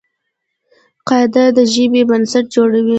قاعده د ژبي بنسټ جوړوي.